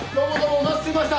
お待ちしてました。